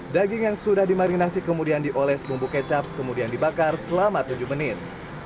daging yang sudah dimarinasi kemudian dioles bumbu kecap kemudian dibakar selama tujuh menit